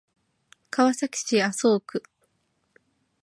川崎市麻生区